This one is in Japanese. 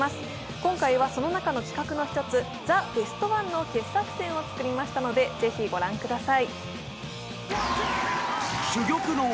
今回はその中の企画の１つ「ザ・ベストワン」の傑作選を作りましたので、ぜひ御覧ください。